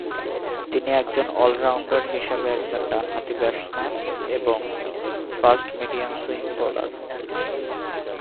তিনি একজন অলরাউন্ডার হিসাবে একজন ডানহাতি ব্যাটসম্যান এবং ফাস্ট মিডিয়াম সুইং বোলার।